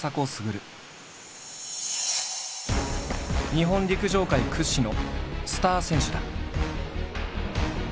日本陸上界屈指のスター選手だ。